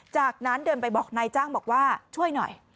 จากนั้นเดินไปบอกนายจ้างบอกว่าช่วยหน่อย